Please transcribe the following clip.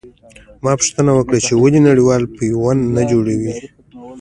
ما پوښتنه وکړه چې ولې نړېوال پیوند نه جوړوي.